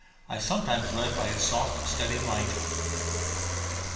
I sometimes read by its soft, steady light.